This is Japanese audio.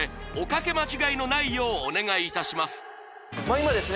今ですね